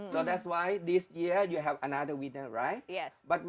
jadi tahun ini kamu memiliki pemenang lain bukan